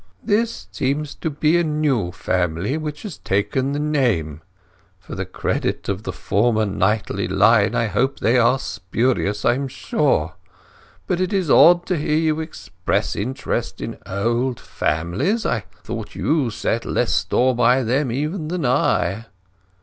This seems to be a new family which had taken the name; for the credit of the former knightly line I hope they are spurious, I'm sure. But it is odd to hear you express interest in old families. I thought you set less store by them even than I."